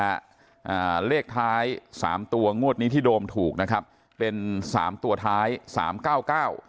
อ่าเลขท้ายสามตัวงวดนี้ที่โดมถูกนะครับเป็นสามตัวท้ายสามเก้าเก้า